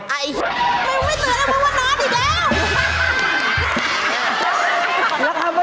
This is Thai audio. ไม่เจอแล้วมันว่านานอีกแล้ว